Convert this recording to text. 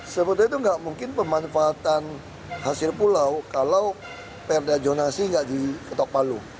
sebetulnya itu nggak mungkin pemanfaatan hasil pulau kalau perda jonasi nggak diketok palu